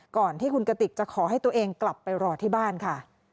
ก่อนที่คุณกติกจะขอให้ตัวเองกลับไปรอที่บ้านค่ะ